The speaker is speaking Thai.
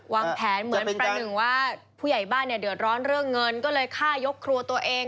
วางแผนเหมือนประหนึ่งว่าผู้ใหญ่บ้านเนี่ยเดือดร้อนเรื่องเงินก็เลยฆ่ายกครัวตัวเอง